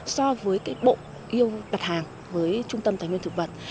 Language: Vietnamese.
so với bộ yêu đặt hàng với trung tâm tài nguyên thực vật